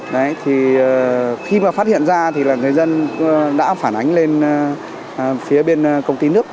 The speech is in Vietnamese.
đấy thì khi mà phát hiện ra thì là người dân đã phản ánh lên phía bên công ty nước